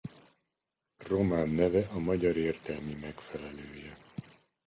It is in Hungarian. Román neve a magyar értelmi megfelelője.